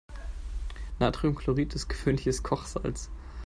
Natriumchlorid ist gewöhnliches Kochsalz.